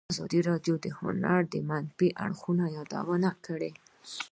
ازادي راډیو د هنر د منفي اړخونو یادونه کړې.